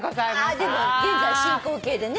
でも現在進行形でね。